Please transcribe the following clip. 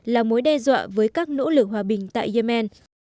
là mối đe dọa với các nỗ lực hòa bình tại yemen